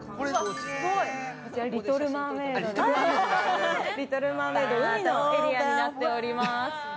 こちら、「リトル・マーメイド」の海のエリアになっております。